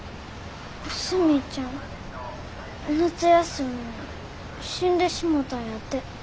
スミちゃん夏休みに死んでしもたんやて。